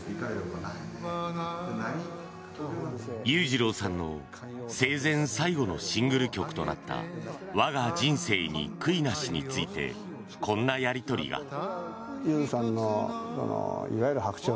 裕次郎さんの生前最後のシングル曲となった「わが人生に悔いなし」についてこんなやり取りが。